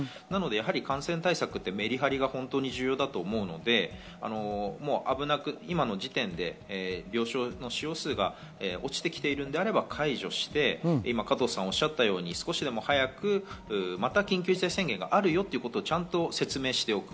感染対策はメリハリが本当に重要だと思うので、今の時点で病床の使用数が落ちてきているのであれば解除して加藤さんおっしゃったように少しでも早くまた緊急事態宣言があるよということを説明しておく。